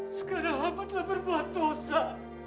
sekarang amatlah berbuat dosa